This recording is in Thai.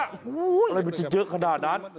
อะไรมันจะเยอะขนาดนั้น